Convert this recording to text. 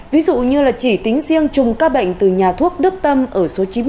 ví dụ như chỉ tính riêng chùng ca bệnh từ nhà thuốc đức tâm ở số chín mươi năm